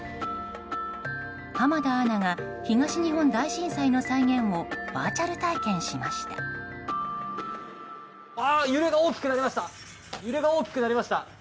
濱田アナが東日本大震災の再現をバーチャル体験しました。